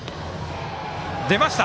出ました。